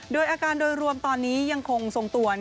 โดยอาการโดยรวมตอนนี้ยังคงทรงตัว